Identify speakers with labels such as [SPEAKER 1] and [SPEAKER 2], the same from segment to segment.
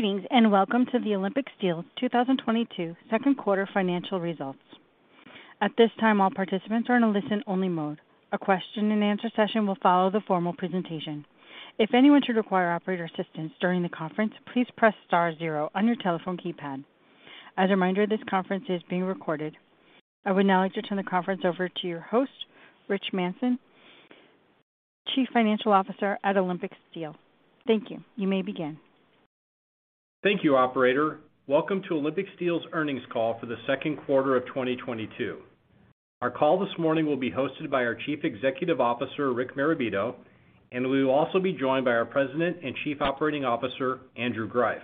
[SPEAKER 1] Greetings, and welcome to the Olympic Steel's 2022 Second Quarter Financial Results. At this time, all participants are in a listen-only mode. A question-and-answer session will follow the formal presentation. If anyone should require operator assistance during the conference, please press star zero on your telephone keypad. As a reminder, this conference is being recorded. I would now like to turn the conference over to your host, Rich Manson, Chief Financial Officer at Olympic Steel. Thank you. You may begin.
[SPEAKER 2] Thank you, operator. Welcome to Olympic Steel's earnings call for the second quarter of 2022. Our call this morning will be hosted by our Chief Executive Officer, Rick Marabito, and we will also be joined by our President and Chief Operating Officer, Andrew Greiff.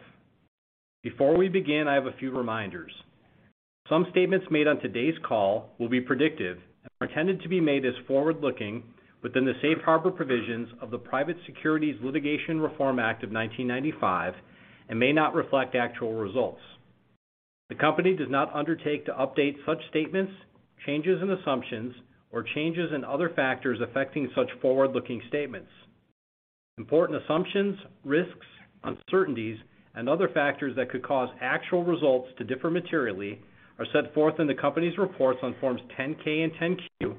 [SPEAKER 2] Before we begin, I have a few reminders. Some statements made on today's call will be predictive and are intended to be made as forward-looking within the safe harbor provisions of the Private Securities Litigation Reform Act of 1995 and may not reflect actual results. The company does not undertake to update such statements, changes in assumptions, or changes in other factors affecting such forward-looking statements. Important assumptions, risks, uncertainties, and other factors that could cause actual results to differ materially are set forth in the company's reports on Forms 10-K and 10-Q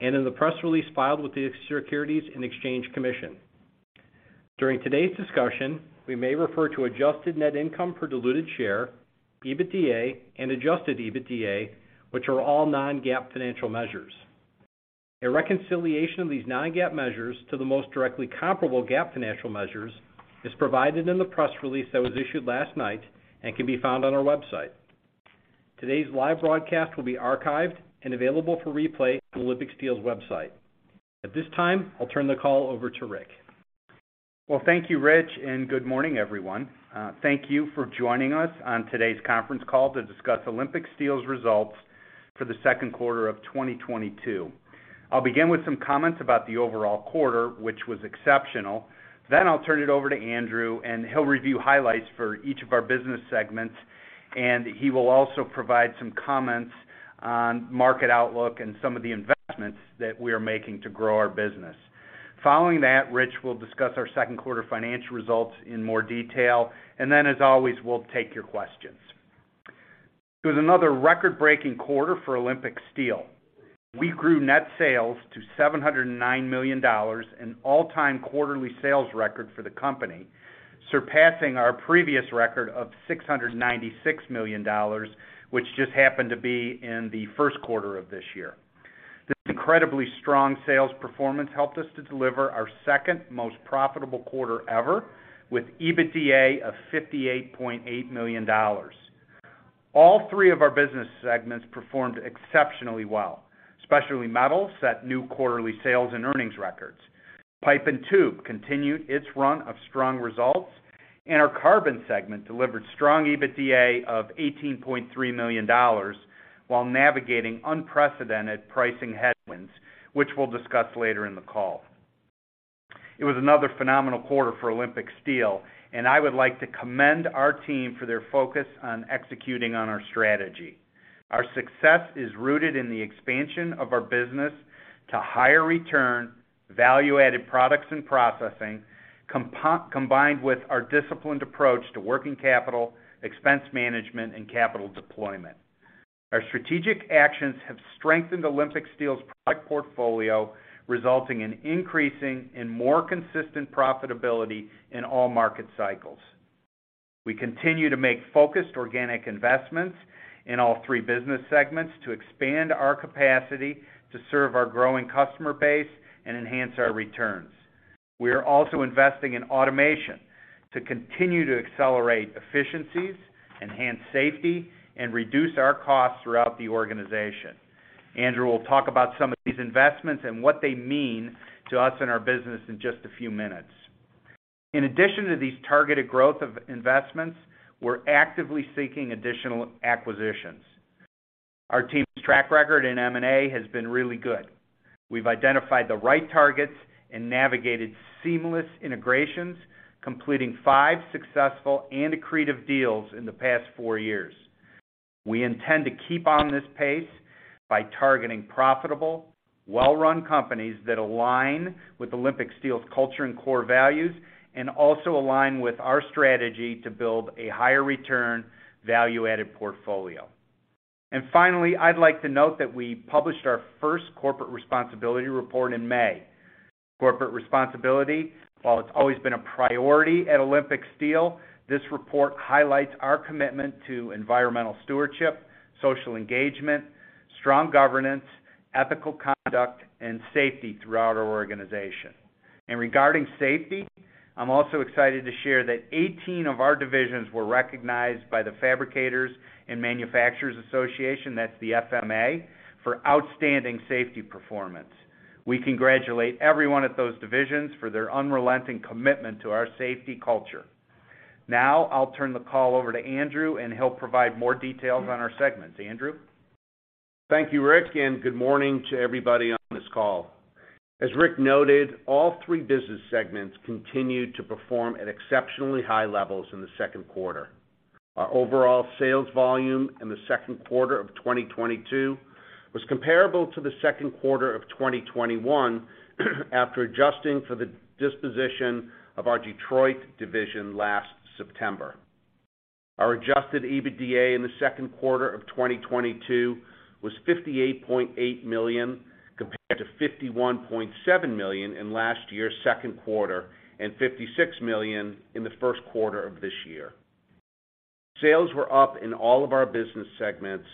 [SPEAKER 2] and in the press release filed with the Securities and Exchange Commission. During today's discussion, we may refer to adjusted net income per diluted share, EBITDA, and Adjusted EBITDA, which are all non-GAAP financial measures. A reconciliation of these non-GAAP measures to the most directly comparable GAAP financial measures is provided in the press release that was issued last night and can be found on our website. Today's live broadcast will be archived and available for replay on Olympic Steel's website. At this time, I'll turn the call over to Rick.
[SPEAKER 3] Well, thank you, Rich, and good morning, everyone. Thank you for joining us on today's conference call to discuss Olympic Steel's results for the second quarter of 2022. I'll begin with some comments about the overall quarter, which was exceptional. Then I'll turn it over to Andrew, and he'll review highlights for each of our business segments, and he will also provide some comments on market outlook and some of the investments that we are making to grow our business. Following that, Rich will discuss our second quarter financial results in more detail, and then as always, we'll take your questions. It was another record-breaking quarter for Olympic Steel. We grew net sales to $709 million, an all-time quarterly sales record for the company, surpassing our previous record of $696 million, which just happened to be in the first quarter of this year. This incredibly strong sales performance helped us to deliver our second most profitable quarter ever with EBITDA of $58.8 million. All three of our business segments performed exceptionally well, especially Metals set new quarterly sales and earnings records. Pipe and Tube continued its run of strong results, and our Carbon segment delivered strong EBITDA of $18.3 million while navigating unprecedented pricing headwinds, which we'll discuss later in the call. It was another phenomenal quarter for Olympic Steel, and I would like to commend our team for their focus on executing on our strategy. Our success is rooted in the expansion of our business to higher return, value-added products and processing combined with our disciplined approach to working capital, expense management, and capital deployment. Our strategic actions have strengthened Olympic Steel's product portfolio, resulting in increasing and more consistent profitability in all market cycles. We continue to make focused organic investments in all three business segments to expand our capacity to serve our growing customer base and enhance our returns. We are also investing in automation to continue to accelerate efficiencies, enhance safety, and reduce our costs throughout the organization. Andrew will talk about some of these investments and what they mean to us and our business in just a few minutes. In addition to these targeted growth investments, we're actively seeking additional acquisitions. Our team's track record in M&A has been really good. We've identified the right targets and navigated seamless integrations, completing five successful and accretive deals in the past four years. We intend to keep on this pace by targeting profitable, well-run companies that align with Olympic Steel's culture and core values and also align with our strategy to build a higher return, value-added portfolio. Finally, I'd like to note that we published our first corporate responsibility report in May. Corporate responsibility, while it's always been a priority at Olympic Steel, this report highlights our commitment to environmental stewardship, social engagement, strong governance, ethical conduct, and safety throughout our organization. Regarding safety, I'm also excited to share that 18 of our divisions were recognized by the Fabricators and Manufacturers Association, that's the FMA, for outstanding safety performance. We congratulate everyone at those divisions for their unrelenting commitment to our safety culture. Now, I'll turn the call over to Andrew, and he'll provide more details on our segments. Andrew?
[SPEAKER 4] Thank you, Rick, and good morning to everybody on this call. As Rick noted, all three business segments continued to perform at exceptionally high levels in the second quarter. Our overall sales volume in the second quarter of 2022 was comparable to the second quarter of 2021 after adjusting for the disposition of our Detroit division last September. Our Adjusted EBITDA in the second quarter of 2022 was $58.8 million, compared to $51.7 million in last year's second quarter and $56 million in the first quarter of this year. Sales were up in all of our business segments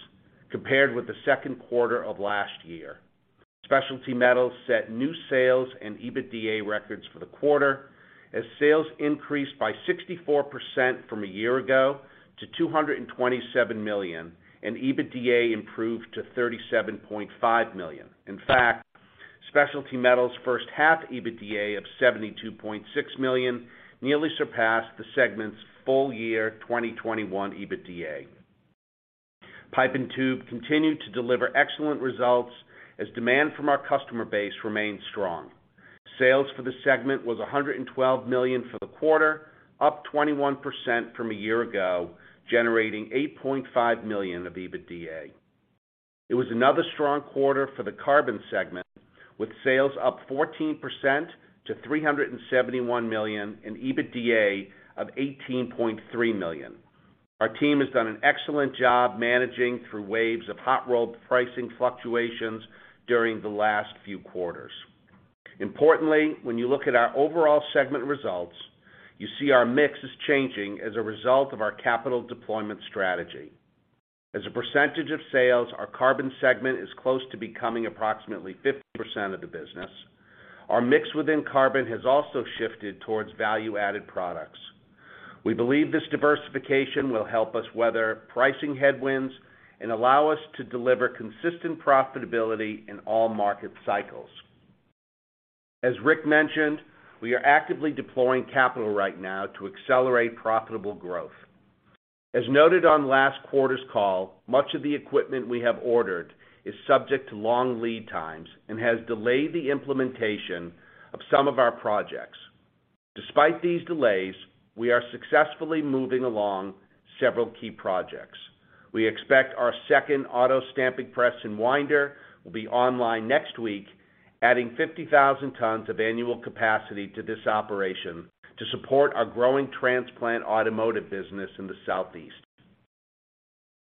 [SPEAKER 4] compared with the second quarter of last year. Specialty metals set new sales and EBITDA records for the quarter as sales increased by 64% from a year ago to $227 million, and EBITDA improved to $37.5 million. In fact, specialty metals first half EBITDA of $72.6 million nearly surpassed the segment's full year 2021 EBITDA. Pipe and tube continued to deliver excellent results as demand from our customer base remained strong. Sales for the segment was $112 million for the quarter, up 21% from a year ago, generating $8.5 million of EBITDA. It was another strong quarter for the carbon segment, with sales up 14% to $371 million and EBITDA of $18.3 million. Our team has done an excellent job managing through waves of hot rolled pricing fluctuations during the last few quarters. Importantly, when you look at our overall segment results, you see our mix is changing as a result of our capital deployment strategy. As a percentage of sales, our carbon segment is close to becoming approximately 50% of the business. Our mix within carbon has also shifted towards value-added products. We believe this diversification will help us weather pricing headwinds and allow us to deliver consistent profitability in all market cycles. As Rick mentioned, we are actively deploying capital right now to accelerate profitable growth. As noted on last quarter's call, much of the equipment we have ordered is subject to long lead times and has delayed the implementation of some of our projects. Despite these delays, we are successfully moving along several key projects. We expect our second auto stamping press in Winder will be online next week, adding 50,000 tons of annual capacity to this operation to support our growing transplant automotive business in the Southeast.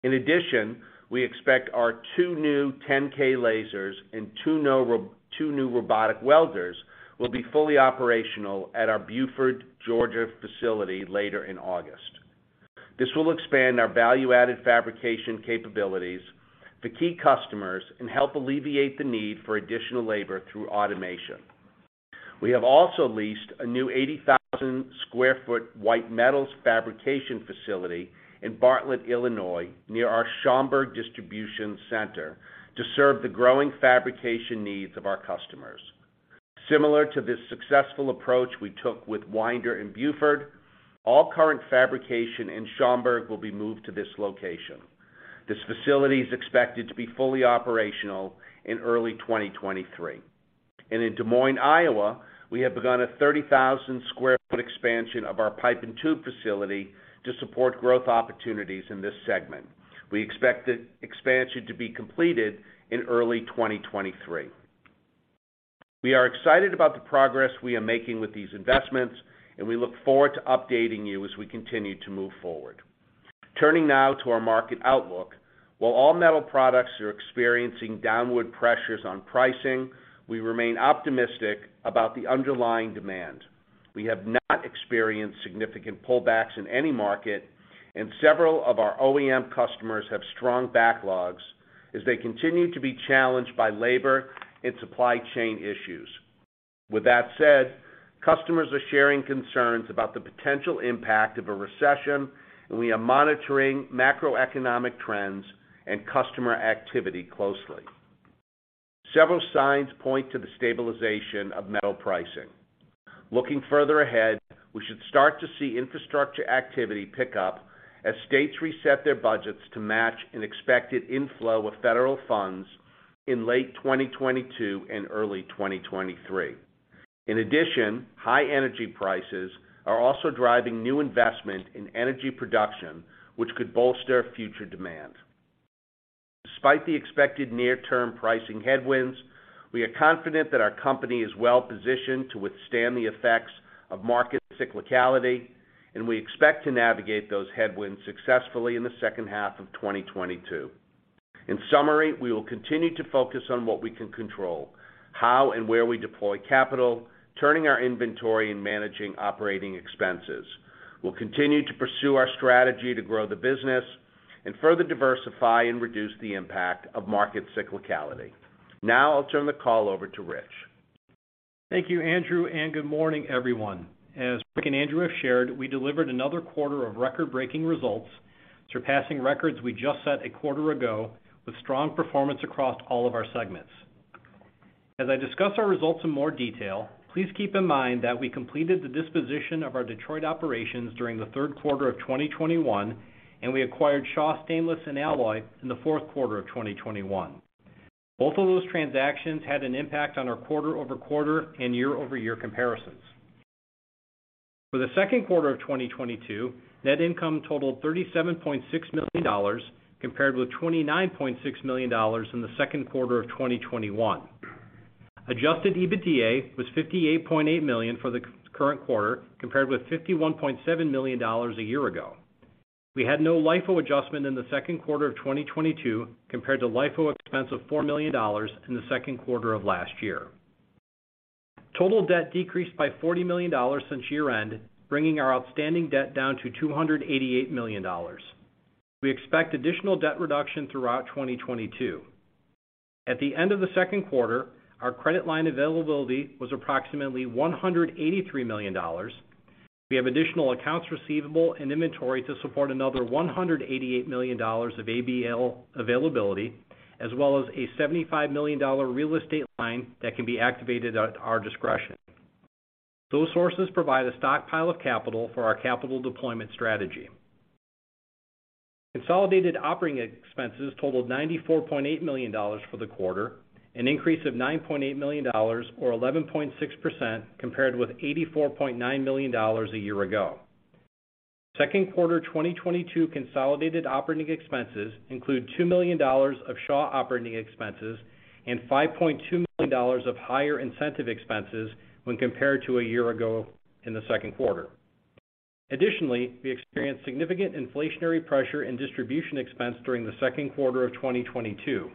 [SPEAKER 4] In addition, we expect our two new 10-K lasers and two new robotic welders will be fully operational at our Buford, Georgia facility later in August. This will expand our value-added fabrication capabilities for key customers and help alleviate the need for additional labor through automation. We have also leased a new 80,000 sq ft white metals fabrication facility in Bartlett, Illinois, near our Schaumburg distribution center, to serve the growing fabrication needs of our customers. Similar to the successful approach we took with Winder and Buford, all current fabrication in Schaumburg will be moved to this location. This facility is expected to be fully operational in early 2023. In Des Moines, Iowa, we have begun a 30,000 sq ft expansion of our pipe and tube facility to support growth opportunities in this segment. We expect the expansion to be completed in early 2023. We are excited about the progress we are making with these investments, and we look forward to updating you as we continue to move forward. Turning now to our market outlook. While all metal products are experiencing downward pressures on pricing, we remain optimistic about the underlying demand. We have not experienced significant pullbacks in any market, and several of our OEM customers have strong backlogs as they continue to be challenged by labor and supply chain issues. With that said, customers are sharing concerns about the potential impact of a recession, and we are monitoring macroeconomic trends and customer activity closely. Several signs point to the stabilization of metal pricing. Looking further ahead, we should start to see infrastructure activity pick up as states reset their budgets to match an expected inflow of federal funds in late 2022 and early 2023. In addition, high energy prices are also driving new investment in energy production, which could bolster future demand. Despite the expected near-term pricing headwinds, we are confident that our company is well-positioned to withstand the effects of market cyclicality, and we expect to navigate those headwinds successfully in the second half of 2022. In summary, we will continue to focus on what we can control, how and where we deploy capital, turning our inventory, and managing operating expenses. We'll continue to pursue our strategy to grow the business and further diversify and reduce the impact of market cyclicality. Now, I'll turn the call over to Rich.
[SPEAKER 2] Thank you, Andrew, and good morning, everyone. As Rick and Andrew have shared, we delivered another quarter of record-breaking results, surpassing records we just set a quarter ago with strong performance across all of our segments. As I discuss our results in more detail, please keep in mind that we completed the disposition of our Detroit operations during the third quarter of 2021, and we acquired Shaw Stainless & Alloy in the fourth quarter of 2021. Both of those transactions had an impact on our quarter-over-quarter and year-over-year comparisons. For the second quarter of 2022, net income totaled $37.6 million compared with $29.6 million in the second quarter of 2021. Adjusted EBITDA was $58.8 million for the current quarter compared with $51.7 million a year ago. We had no LIFO adjustment in the second quarter of 2022 compared to LIFO expense of $4 million in the second quarter of last year. Total debt decreased by $40 million since year-end, bringing our outstanding debt down to $288 million. We expect additional debt reduction throughout 2022. At the end of the second quarter, our credit line availability was approximately $183 million. We have additional accounts receivable and inventory to support another $188 million of ABL availability, as well as a $75 million real estate line that can be activated at our discretion. Those sources provide a stockpile of capital for our capital deployment strategy. Consolidated operating expenses totaled $94.8 million for the quarter, an increase of $9.8 million or 11.6% compared with $84.9 million a year ago. Second quarter, 2022 consolidated operating expenses include $2 million of Shaw operating expenses and $5.2 million of higher incentive expenses when compared to a year ago in the second quarter. Additionally, we experienced significant inflationary pressure in distribution expense during the second quarter of 2022.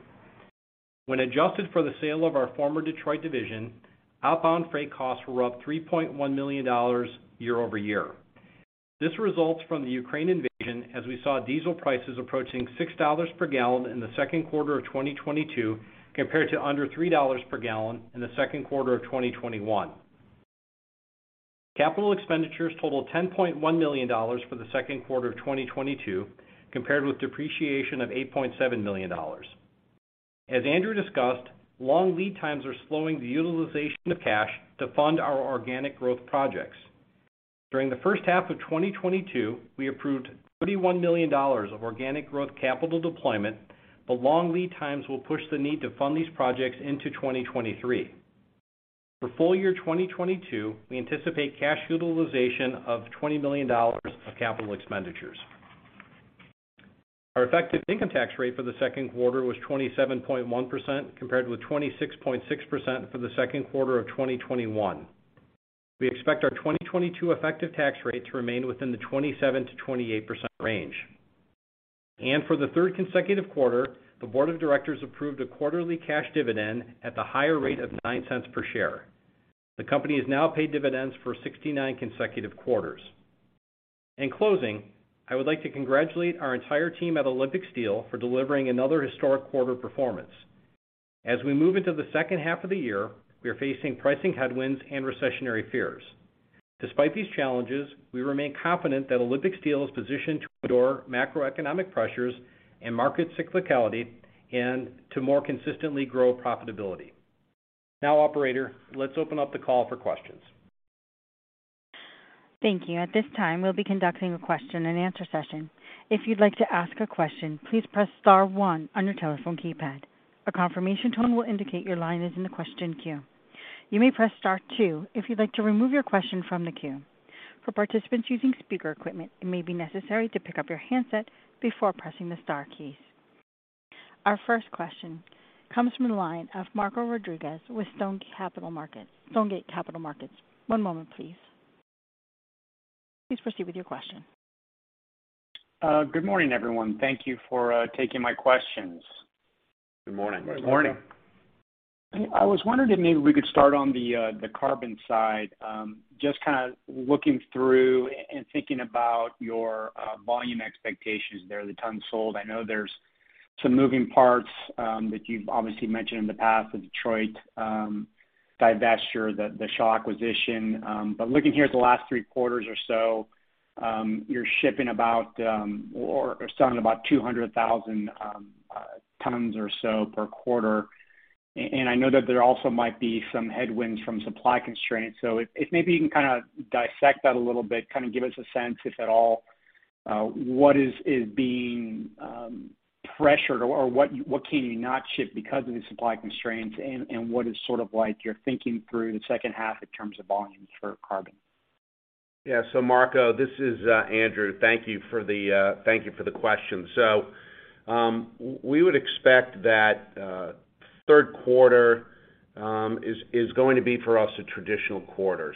[SPEAKER 2] When adjusted for the sale of our former Detroit division, outbound freight costs were up $3.1 million year-over-year. This results from the Ukraine invasion, as we saw diesel prices approaching $6 per gallon in the second quarter of 2022, compared to under $3 per gallon in the second quarter of 2021. Capital expenditures totaled $10.1 million for the second quarter of 2022, compared with depreciation of $8.7 million. As Andrew discussed, long lead times are slowing the utilization of cash to fund our organic growth projects. During the first half of 2022, we approved $31 million of organic growth capital deployment, but long lead times will push the need to fund these projects into 2023. For full year 2022, we anticipate cash utilization of $20 million of capital expenditures. Our effective income tax rate for the second quarter was 27.1%, compared with 26.6% for the second quarter of 2021. We expect our 2022 effective tax rate to remain within the 27%-28% range. For the third consecutive quarter, the board of directors approved a quarterly cash dividend at the higher rate of $0.09 per share. The company has now paid dividends for 69 consecutive quarters. In closing, I would like to congratulate our entire team at Olympic Steel for delivering another historic quarter performance. As we move into the second half of the year, we are facing pricing headwinds and recessionary fears. Despite these challenges, we remain confident that Olympic Steel is positioned to endure macroeconomic pressures and market cyclicality, and to more consistently grow profitability. Now, operator, let's open up the call for questions.
[SPEAKER 1] Thank you. At this time, we'll be conducting a question and answer session. If you'd like to ask a question, please press star one on your telephone keypad. A confirmation tone will indicate your line is in the question queue. You may press star two if you'd like to remove your question from the queue. For participants using speaker equipment, it may be necessary to pick up your handset before pressing the star keys. Our first question comes from the line of Marco Rodriguez with Stonegate Capital Markets. One moment please. Please proceed with your question.
[SPEAKER 5] Good morning, everyone. Thank you for taking my questions.
[SPEAKER 4] Good morning. Good morning.
[SPEAKER 5] I was wondering if maybe we could start on the carbon side. Just kind of looking through and thinking about your volume expectations there, the tons sold. I know there's some moving parts that you've obviously mentioned in the past, the Detroit divestiture, the Shaw acquisition. Looking here at the last three quarters or so, you're shipping about or selling about 200,000 tons or so per quarter. I know that there also might be some headwinds from supply constraints. If maybe you can kind of dissect that a little bit, kind of give us a sense, if at all, what is being pressured or what can you not ship because of the supply constraints and what is sort of like you're thinking through the second half in terms of volumes for carbon.
[SPEAKER 4] Yeah. Marco, this is Andrew. Thank you for the question. We would expect that third quarter is going to be for us a traditional quarter.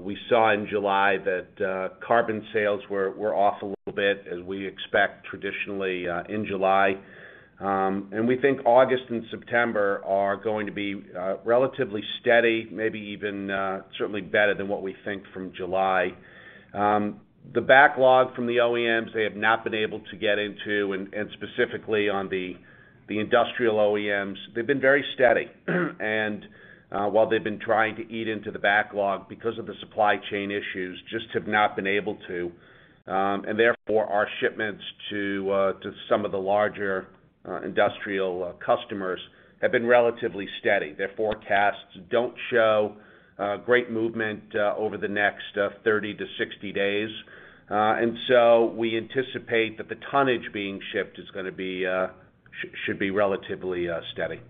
[SPEAKER 4] We saw in July that carbon sales were off a little bit as we expect traditionally in July. We think August and September are going to be relatively steady, maybe even certainly better than what we think from July. The backlog from the OEMs, they have not been able to get into and specifically on the industrial OEMs, they've been very steady. While they've been trying to eat into the backlog because of the supply chain issues, just have not been able to. Therefore, our shipments to some of the larger industrial customers have been relatively steady. Their forecasts don't show great movement over the next 30-60 days.
[SPEAKER 3] We anticipate that the tonnage being shipped is gonna be should be relatively steady.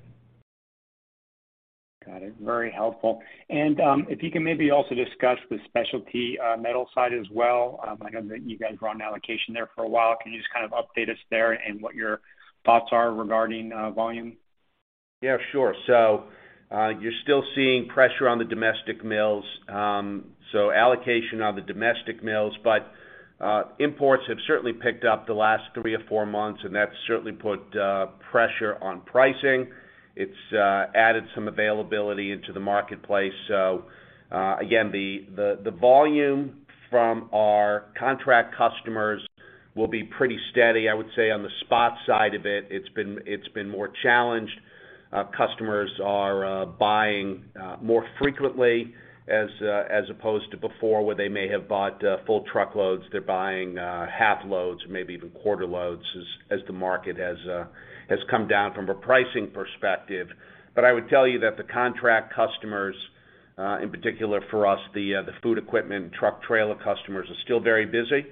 [SPEAKER 5] Got it. Very helpful. If you can maybe also discuss the specialty metal side as well. I know that you guys were on allocation there for a while. Can you just kind of update us there and what your thoughts are regarding volume?
[SPEAKER 3] Yeah, sure. You're still seeing pressure on the domestic mills. Allocation on the domestic mills, but imports have certainly picked up the last three or four months, and that's certainly put pressure on pricing. It's added some availability into the marketplace. Again, the volume from our contract customers will be pretty steady. I would say on the spot side of it's been more challenged. Customers are buying more frequently as opposed to before, where they may have bought full truckloads. They're buying half loads, maybe even quarter loads as the market has come down from a pricing perspective. I would tell you that the contract customers, in particular for us, the food equipment, truck trailer customers are still very busy.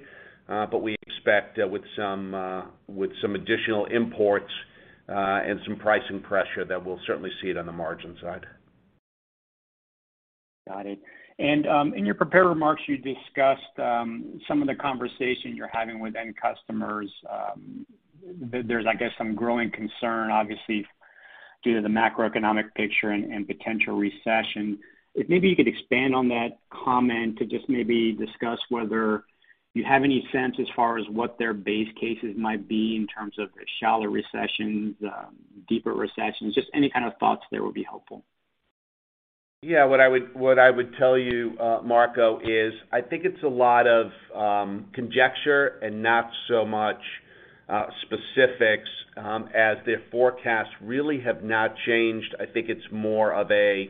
[SPEAKER 3] We expect, with some additional imports and some pricing pressure, that we'll certainly see it on the margin side.
[SPEAKER 5] Got it. In your prepared remarks, you discussed some of the conversation you're having with end customers. There's, I guess, some growing concern, obviously due to the macroeconomic picture and potential recession. If maybe you could expand on that comment to just maybe discuss whether you have any sense as far as what their base cases might be in terms of a shallow recession, deeper recession. Just any kind of thoughts there would be helpful.
[SPEAKER 3] Yeah. What I would tell you, Marco, is I think it's a lot of conjecture and not so much specifics as their forecasts really have not changed. I think it's more of a,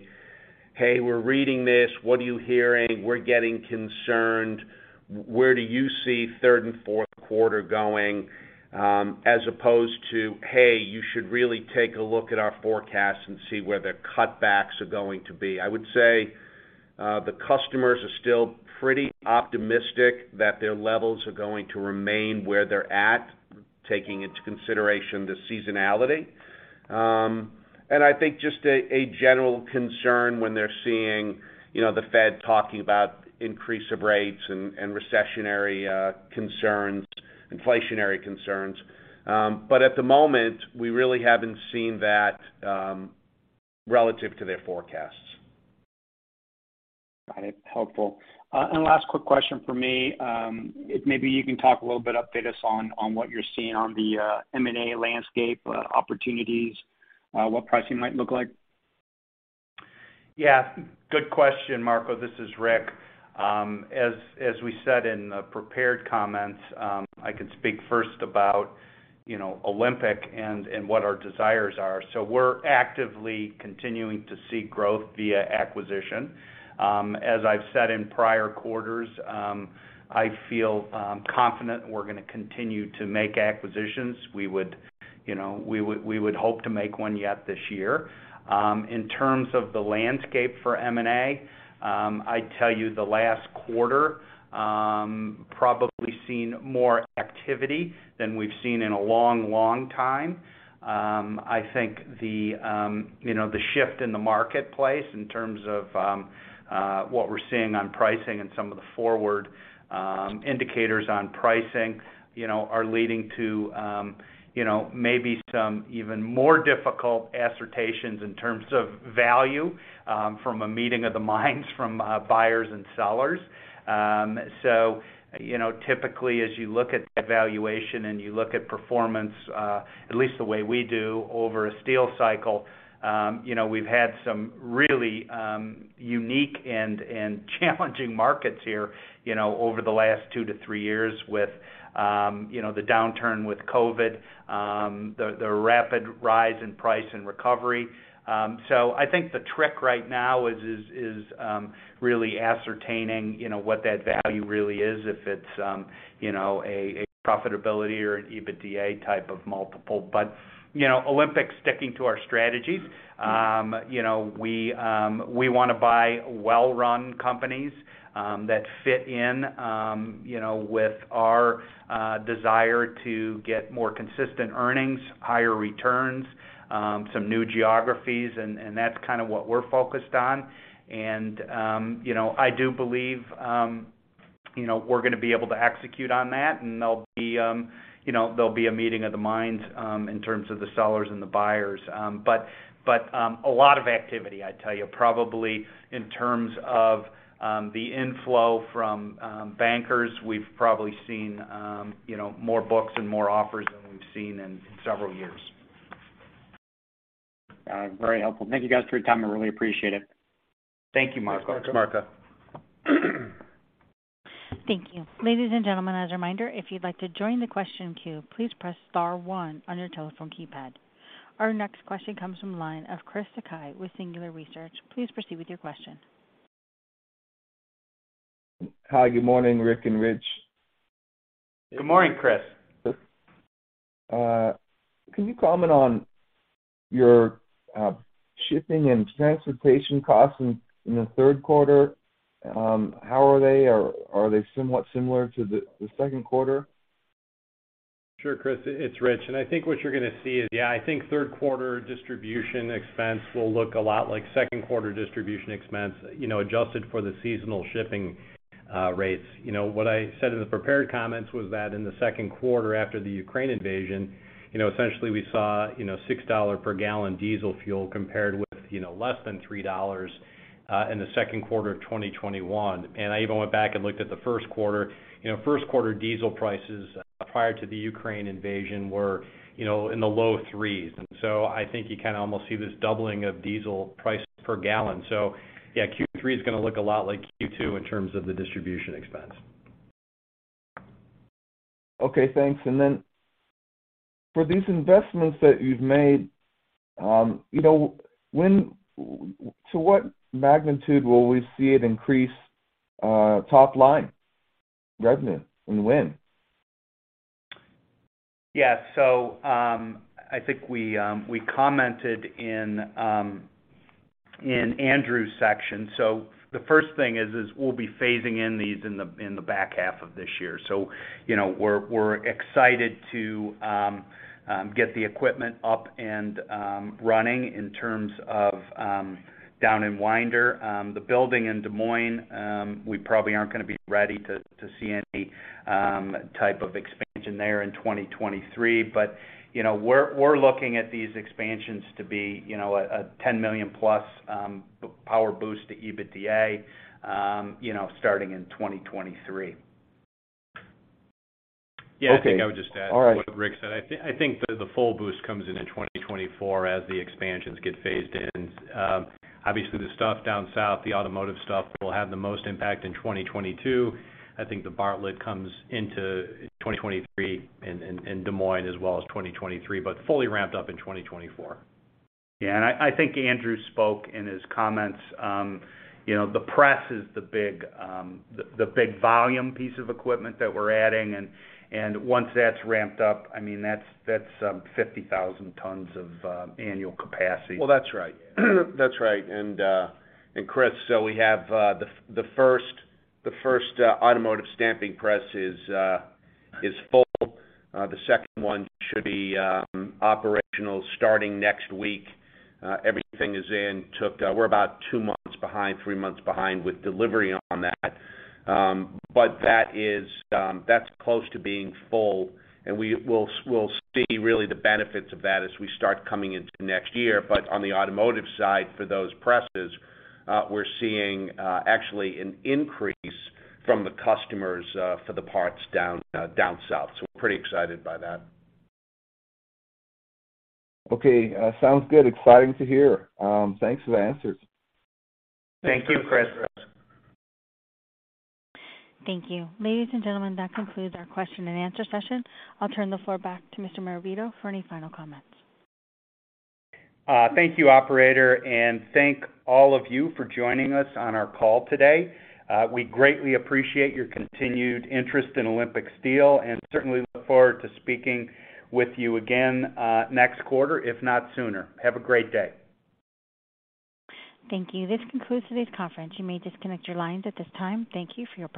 [SPEAKER 3] "Hey, we're reading this. What are you hearing? We're getting concerned. Where do you see third and fourth quarter going?" as opposed to, "Hey, you should really take a look at our forecast and see where the cutbacks are going to be." I would say the customers are still pretty optimistic that their levels are going to remain where they're at, taking into consideration the seasonality. And I think just a general concern when they're seeing, you know, the Fed talking about increase of rates and recessionary concerns, inflationary concerns. At the moment, we really haven't seen that relative to their forecasts.
[SPEAKER 5] Got it. Helpful. Last quick question for me, if maybe you can talk a little bit, update us on what you're seeing on the M&A landscape, opportunities, what pricing might look like?
[SPEAKER 3] Yeah, good question, Marco. This is Rick. As we said in the prepared comments, I could speak first about, you know, Olympic and what our desires are. We're actively continuing to seek growth via acquisition. As I've said in prior quarters, I feel confident we're gonna continue to make acquisitions. We would, you know, hope to make one yet this year. In terms of the landscape for M&A, I tell you the last quarter probably seen more activity than we've seen in a long, long time. I think you know the shift in the marketplace in terms of what we're seeing on pricing and some of the forward indicators on pricing you know are leading to you know maybe some even more difficult assertions in terms of value from a meeting of the minds from buyers and sellers. You know typically as you look at valuation and you look at performance at least the way we do over a steel cycle you know we've had some really unique and challenging markets here you know over the last two to three years with you know the downturn with COVID the rapid rise in price and recovery. I think the trick right now is really ascertaining, you know, what that value really is if it's, you know, a profitability or an EBITDA type of multiple. Olympic's sticking to our strategies. You know, we wanna buy well-run companies that fit in, you know, with our desire to get more consistent earnings, higher returns, some new geographies, and that's kinda what we're focused on. You know, I do believe, you know, we're gonna be able to execute on that. There'll be a meeting of the minds in terms of the sellers and the buyers. A lot of activity, I tell you. Probably in terms of the inflow from bankers, we've probably seen, you know, more books and more offers than we've seen in several years.
[SPEAKER 5] Very helpful. Thank you guys for your time. I really appreciate it.
[SPEAKER 3] Thank you, Marco.
[SPEAKER 4] Thanks, Marco.
[SPEAKER 3] Marco.
[SPEAKER 1] Thank you. Ladies and gentlemen, as a reminder, if you'd like to join the question queue, please press star one on your telephone keypad. Our next question comes from the line of Chris Sakai with Singular Research. Please proceed with your question.
[SPEAKER 6] Hi. Good morning, Rick and Rich.
[SPEAKER 3] Good morning, Chris.
[SPEAKER 6] Can you comment on your shipping and transportation costs in the third quarter? How are they? Are they somewhat similar to the second quarter?
[SPEAKER 2] Sure, Chris, it's Rich. I think what you're gonna see is, yeah, I think third quarter distribution expense will look a lot like second quarter distribution expense, you know, adjusted for the seasonal shipping rates. You know, what I said in the prepared comments was that in the second quarter after the Ukraine invasion, you know, essentially we saw, you know, $6 per gallon diesel fuel compared with, you know, less than $3 in the second quarter of 2021. I even went back and looked at the first quarter. You know, first quarter diesel prices prior to the Ukraine invasion were, you know, in the low $3s. I think you kind of almost see this doubling of diesel price per gallon. Yeah, Q3 is gonna look a lot like Q2 in terms of the distribution expense.
[SPEAKER 6] Okay, thanks. For these investments that you've made, you know, to what magnitude will we see it increase top line revenue and when?
[SPEAKER 3] Yeah. I think we commented in Andrew Greiff's section. The first thing is we'll be phasing in these in the back half of this year. You know, we're excited to get the equipment up and running in terms of down in Winder. The building in Des Moines, we probably aren't gonna be ready to see any type of expansion there in 2023. You know, we're looking at these expansions to be, you know, a $10 million+ power boost to EBITDA, you know, starting in 2023.
[SPEAKER 6] Okay. All right.
[SPEAKER 2] Yeah. I think I would just add to what Rick said. I think the full boost comes in 2024 as the expansions get phased in. Obviously, the stuff down south, the automotive stuff, will have the most impact in 2022. I think the Bartlett comes into 2023 in Des Moines as well as 2023, but fully ramped up in 2024.
[SPEAKER 3] Yeah. I think Andrew spoke in his comments, you know, the press is the big volume piece of equipment that we're adding. Once that's ramped up, I mean, that's 50,000 tons of annual capacity.
[SPEAKER 4] Well, that's right. Chris, we have the first automotive stamping press is full. The second one should be operational starting next week. Everything is in. We're about two months behind, three months behind with delivery on that. But that is, that's close to being full, and we'll see really the benefits of that as we start coming into next year. On the automotive side, for those presses, we're seeing actually an increase from the customers for the parts down south. We're pretty excited by that.
[SPEAKER 6] Okay. Sounds good. Exciting to hear. Thanks for the answers.
[SPEAKER 3] Thank you, Chris.
[SPEAKER 2] Thank you, Chris.
[SPEAKER 1] Thank you. Ladies and gentlemen, that concludes our question and answer session. I'll turn the floor back to Mr. Marabito for any final comments.
[SPEAKER 3] Thank you, operator, and thank all of you for joining us on our call today. We greatly appreciate your continued interest in Olympic Steel and certainly look forward to speaking with you again, next quarter, if not sooner. Have a great day.
[SPEAKER 1] Thank you. This concludes today's conference. You may disconnect your lines at this time. Thank you for your participation.